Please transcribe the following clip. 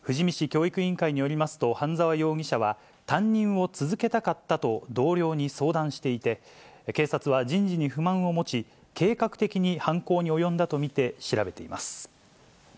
教育委員会によりますと、半沢容疑者は、担任を続けたかったと、同僚に相談していて、警察は人事に不満を持ち、計画的に犯行に及んだと見て調べています。